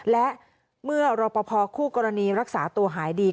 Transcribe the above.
และเมื่อรอปภคู่กรณีรักษาตัวหายดี